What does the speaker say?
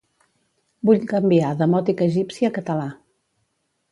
Vull canviar demòtic egipci a català.